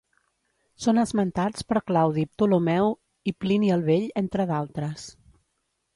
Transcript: Són esmentats per Claudi Ptolemeu i Plini el Vell entre d'altres.